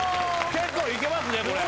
結構いけますねこれ。